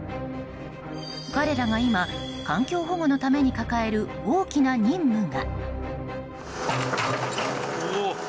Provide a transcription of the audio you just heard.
彼らが今、環境保護のために抱える大きな任務が。